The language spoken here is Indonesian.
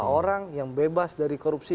orang yang bebas dari korupsi